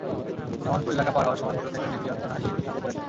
জামালপুর এলাকা পার হওয়ার সময় মোটরসাইকেলটি নিয়ন্ত্রণ হারিয়ে খাদে পড়ে যায়।